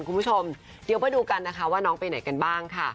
คุณผู้ชมเดี๋ยวมาดูกันนะคะว่าน้องไปไหนกันบ้างค่ะ